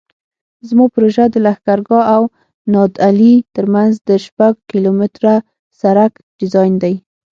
زما پروژه د لښکرګاه او نادعلي ترمنځ د شپږ کیلومتره سرک ډیزاین دی